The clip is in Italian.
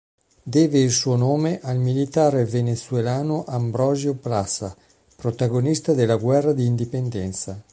Deve il suo nome al militare venezuelano Ambrosio Plaza, protagonista della guerra di indipendenza.